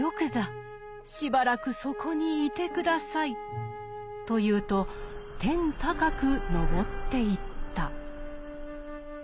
しばらくそこにいて下さい」と言うと天高くのぼっていった。